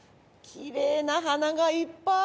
きれいな花がいっぱい！